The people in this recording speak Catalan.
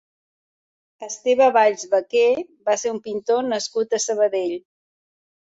Esteve Valls Baqué va ser un pintor nascut a Sabadell.